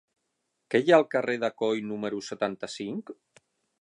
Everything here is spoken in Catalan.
Què hi ha al carrer de Coll número setanta-cinc?